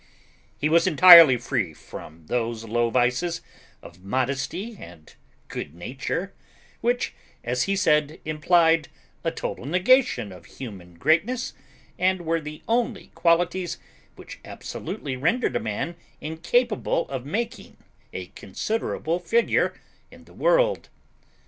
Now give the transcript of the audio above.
He was entirely free from those low vices of modesty and good nature, which, as he said, implied a total negation of human greatness, and were the only qualities which absolutely rendered a man incapable of making a considerable figure in the world.